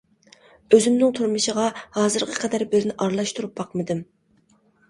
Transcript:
ئۆزۈمنىڭ تۇرمۇشىغا ھازىرغا قەدەر بىرىنى ئارىلاشتۇرۇپ باقمىدىم.